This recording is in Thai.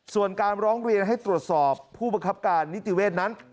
ส่วนการร้องเรียนให้ตรวจสอบผู้บังคับการนิติเวศนั้น